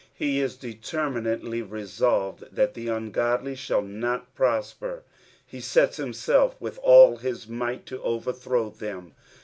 He is determinatel; resolved that the ungodly shall not prosper ; he sets himself with all hiB might to overthrow them.